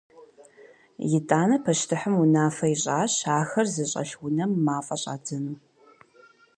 Итӏанэ пащтыхьым унафэ ищӏащ ахэр зыщӏэлъ унэм мафӏэ щӏадзэну.